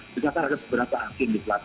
misalkan berapa hakim di kelas satu